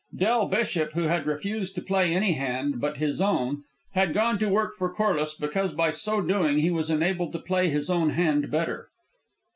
Del Bishop, who had refused to play any hand but his own, had gone to work for Corliss because by so doing he was enabled to play his own hand better.